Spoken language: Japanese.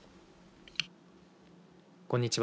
こんにちは。